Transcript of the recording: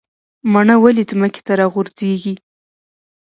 مڼه ولې ځمکې ته راغورځیږي؟